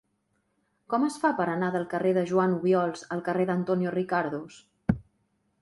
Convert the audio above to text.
Com es fa per anar del carrer de Joan Obiols al carrer d'Antonio Ricardos?